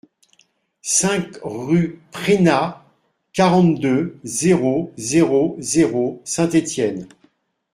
cinq rue Preynat, quarante-deux, zéro zéro zéro, Saint-Étienne